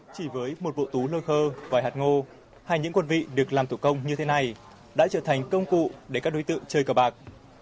chỉ với một bộ tú lôi khơ vài hạt ngô hai những quân vị được làm tủ công như thế này đã trở thành công cụ để các đối tượng chơi cờ bạc